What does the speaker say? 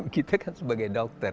saya begitu kan sebagai dokter